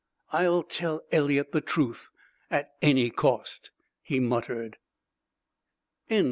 "I'll tell Eliot the truth at any cost," he muttered.